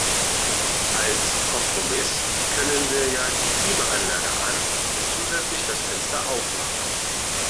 Als Kompromiss können wir ja die Klimaanlage an und zusätzlich das Fenster auf machen.